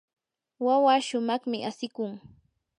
wawaa shumaqmi asikun.